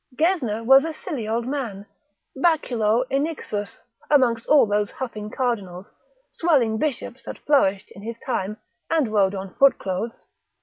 Gesner was a silly old man, baculo innixus, amongst all those huffing cardinals, swelling bishops that flourished in his time, and rode on foot clothes.